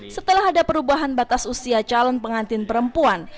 setelah ada perubahan batas usia calon pengantin perempuan